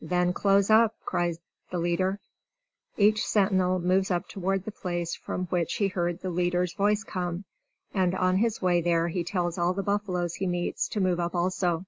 "Then close up!" cries the leader. Each sentinel moves up toward the place from which he heard the leader's voice come. And on his way there he tells all the buffaloes he meets to move up also.